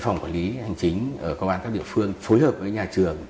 phòng quản lý hành chính ở công an các địa phương phối hợp với nhà trường